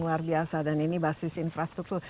luar biasa dan ini basis infrastruktur